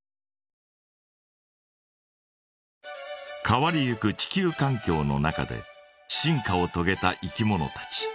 変わりゆく地球かん境の中で進化をとげたいきものたち。